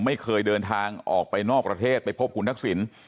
ไม่เคยเดินทางออกไปนอกประเทศไปพบคุณทักษิณ